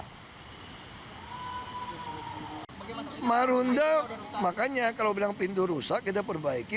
nah marunda makanya kalau bilang pintu rusak kita perbaiki